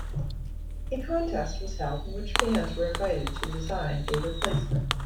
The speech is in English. A contest was held in which fans were invited to design a replacement.